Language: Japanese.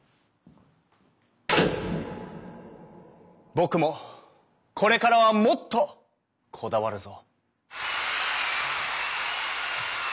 僕もこれからはもっとこだわるぞ。